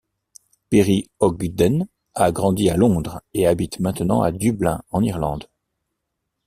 Perry Ogden a grandi à Londres et habite maintenant à Dublin en Irlande.